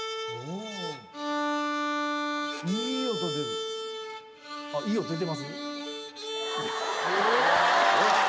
いい音出てます？